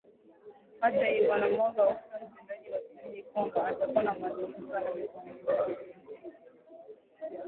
Hata hivyo anamuaga ofisa mtendaji wa kijiji kwamba atakuwa na mazungumzo nami kwa muda